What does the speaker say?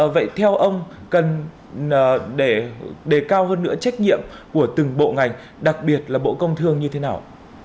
vậy theo ông cần để đề cao hơn nữa trách nhiệm của từng bộ ngành đặc biệt là bộ công thương như thế nào